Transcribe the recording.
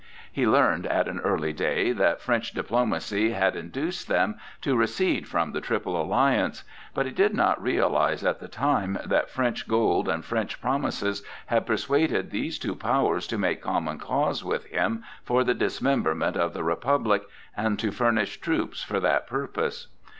He learned at an early day that French diplomacy had induced them to recede from the Triple Alliance; but he did not realize at the time that French gold and French promises had persuaded these two powers to make common cause with him for the dismemberment of the Republic, and to furnish troops for that purpose.